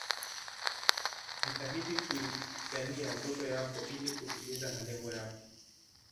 Jitahidi kuipigania ndoto yako ili kutimiza malengo yako